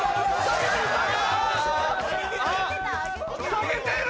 下げてる！